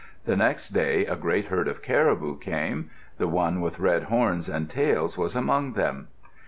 The next day a great herd of caribou came. The one with red horns and tails was among them.